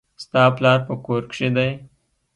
ستا پلار په کور کښي دئ.